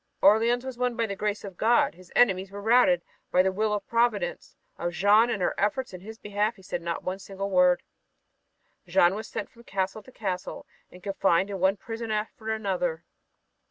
Orleans was won "by the grace of God." His enemies were routed "by the will of Providence." Of Jeanne and her efforts in his behalf he said not one single word. Jeanne was sent from castle to castle and confined in one prison after another.